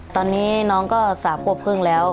ตอนนี้น้องก็๓ขวบครึ่งแล้ว